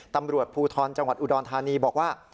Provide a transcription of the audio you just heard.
ตำรวจภูทรจังหวัดอุดรธานีบอกว่า